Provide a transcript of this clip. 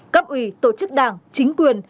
cấp ủy tổ chức đảng chính quyền